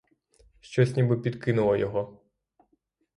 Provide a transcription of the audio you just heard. Щось ніби підкинуло його.